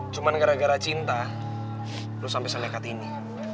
cuma gara gara cinta lo sampe selekat ini